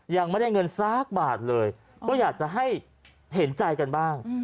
ยังไม่ได้เงินสักบาทเลยก็อยากจะให้เห็นใจกันบ้าง